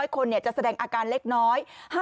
คนจะแสดงอาการเล็กน้อย